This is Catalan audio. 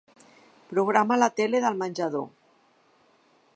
Programa la tele del menjador.